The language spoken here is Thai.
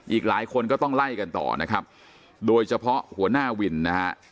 อีกหลายคนก็ต้องไล่กันต่อนะครับโดยเฉพาะหัวหน้าวินนะฮะ